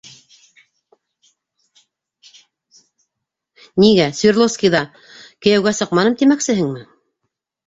Нигә, Свердловскиҙа кейәүгә сыҡманым тимәксеһеңме?